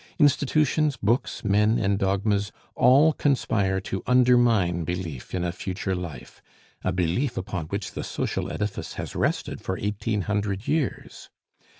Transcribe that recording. Institutions, books, men, and dogmas, all conspire to undermine belief in a future life, a belief upon which the social edifice has rested for eighteen hundred years.